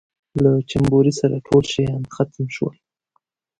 چې له جمبوري سره ټول شیان ختم شول.